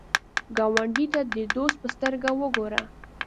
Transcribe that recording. ګاونډي ته د دوست په سترګه وګوره